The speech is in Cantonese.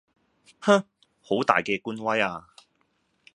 哼,好大嘅官威呀!